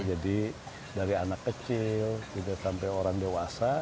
jadi dari anak kecil sampai orang dewasa